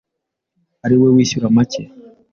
ari we wishyura make